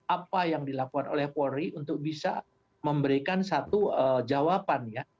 apa yang dilakukan oleh polri untuk bisa memberikan satu jawaban ya